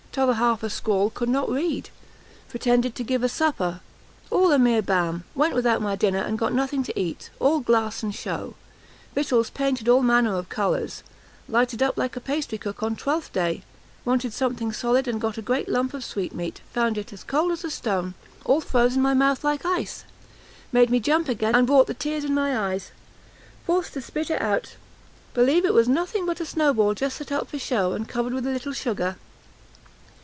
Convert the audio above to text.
t'other half a scrawl could not read; pretended to give a supper; all a mere bam; went without my dinner, and got nothing to eat; all glass and shew; victuals painted all manner of colours; lighted up like a pastry cook on twelfth day; wanted something solid, and got a great lump of sweetmeat; found it as cold as a stone, all froze in my mouth like ice; made me jump again, and brought the tears in my eyes; forced to spit it out; believe it was nothing but a snowball, just set up for show, and covered over with a little sugar.